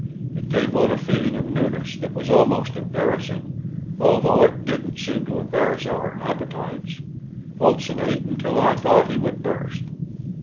It gave one a feeling of newness that was almost embarrassing, although it didn't seem to embarrass our appetites. Olson ate until I thought he would burst.